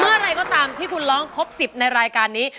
อะไรก็ตามที่คุณร้องครบ๑๐ในรายการนี้